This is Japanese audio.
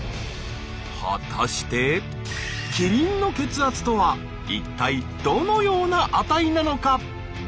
果たしてキリンの血圧とは一体どのような値なのか？